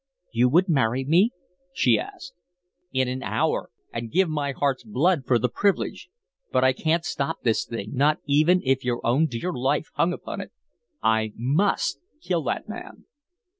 "You would marry me?" she asked. "In an hour, and give my heart's blood for the privilege; but I can't stop this thing, not even if your own dear life hung upon it. I MUST kill that man."